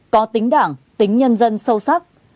có tính đảng tính nhân dân sâu sắc